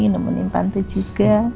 nemenin tante juga